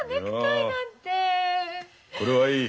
いやこれはいい。